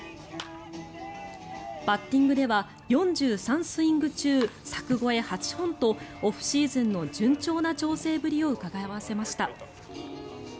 バッティングでは４３スイング中柵越え８本とオフシーズンの順調な調整ぶりをうかがわせました。